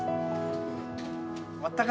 終わったか。